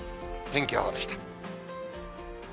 天気予報でした。